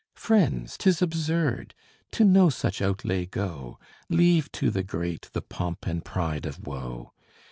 Friends, 'tis absurd! to no such outlay go; Leave to the great the pomp and pride of woe.